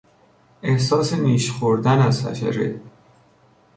احساس نیش خوردن از حشره